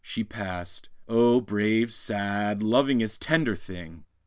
She passed, O brave, sad, lovingest, tender thing!